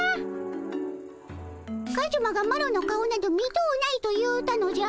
カズマがマロの顔など見とうないと言うたのじゃ。